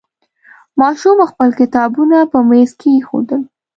ماشوم خپل کتابونه په میز کېښودل.